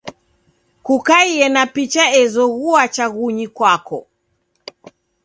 Kukaie na picha ezoghua chaghunyi kwako.